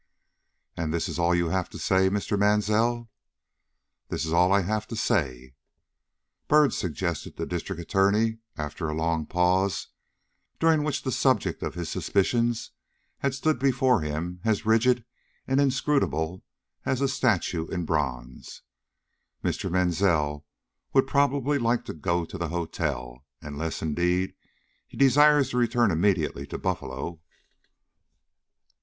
"And this is all you have to say, Mr. Mansell?" "This is all I have to say." "Byrd," suggested the District Attorney, after a long pause, during which the subject of his suspicions had stood before him as rigid and inscrutable as a statue in bronze, "Mr. Mansell would probably like to go to the hotel, unless, indeed, he desires to return immediately to Buffalo."